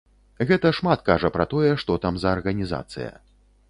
Гэта шмат кажа пра тое, што там за арганізацыя.